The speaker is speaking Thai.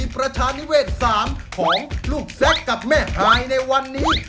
ประชานิเวศ๓ของลูกแซคกับแม่ฮายในวันนี้